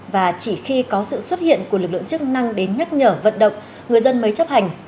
và chỉ khi có sự xuất hiện của lực lượng chức năng đến nhắc nhở vận động người dân mới chấp hành